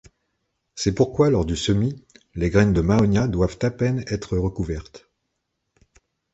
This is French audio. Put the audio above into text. C'est pourquoi, lors du semis, les graines de Mahonia doivent à peine être recouvertes.